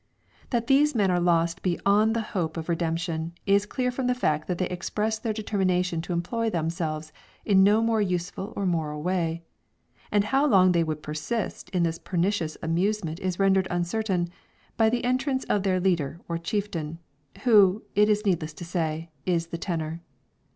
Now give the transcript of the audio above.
That these men are lost beyond the hope of redemption, is clear from the fact that they express their determination to employ themselves in no more useful or moral way; and how long they would persist in this pernicious amusement is rendered uncertain, by the entrance of their leader or chieftain who, it is needless to say, is the tenor.